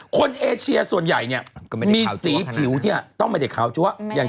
คนเอเชียส่วนใหญ่มีสีผิวต้องไม่ใช่ขาวจั๊ว